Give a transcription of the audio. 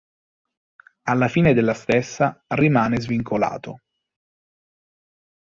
Alla fine della stessa, rimane svincolato.